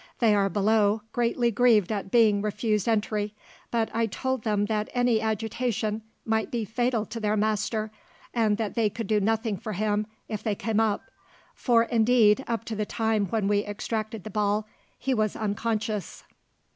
They are below, greatly grieved at being refused entry; but I told them that any agitation might be fatal to their master, and that they could do nothing for him if they came up; for indeed, up to the time when we extracted the ball, he was unconscious.